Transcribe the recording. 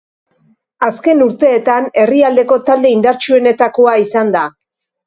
Azken urteetan herrialdeko talde indartsuenetakoa izan da.